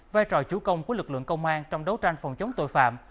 vai trò chủ công của lực lượng công an trong đấu tranh phòng chống tội phạm